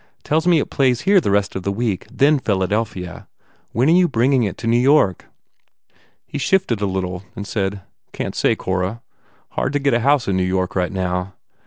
Tells me it plays here the rest of the week, then Philadelphia. When are you bringing it into New York?" He shifted a little and said, "Can t say, Cora. Hard to get a house in New York, right now.